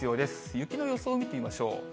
雪の予想見てみましょう。